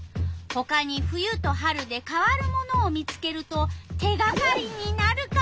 ほかに冬と春で変わるものを見つけると手がかりになるカモ。